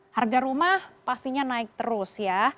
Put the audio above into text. harga rumah pastinya naik terus ya